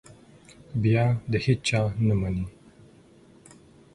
بیا د هېچا نه مني.